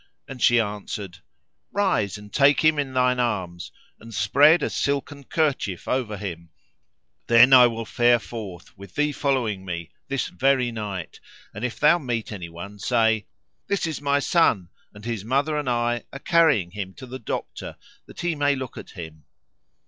and she answered, "Rise and take him in thine arms and spread a silken kerchief over him; then I will fare forth, with thee following me this very night and if thou meet any one say, 'This is my son, and his mother and I are carrying him to the doctor that he may look at him.'"